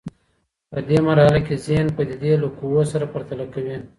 په دې مرحله کي ذهن پديدې له قوو سره پرتله کوي.